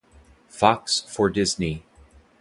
Fox for Disney.